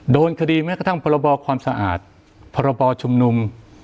โดนคดีแม้กระทั่งพรบความสะอาดพรบชุมนุม